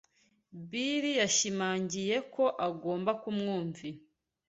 Bill yashimangiye ko agomba kumwumvira.